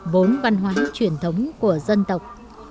vốn văn hóa truyền thống của dân tộc